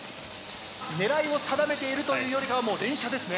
狙いを定めているというよりかはもう連射ですね。